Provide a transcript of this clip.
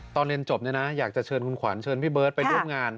ตอนเรียนจบอยากจะเชิญคุณขวัญพี่เบิร์ดไปร่วมงาน